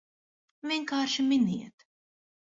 Vienkārši miniet!